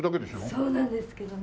そうなんですけどね。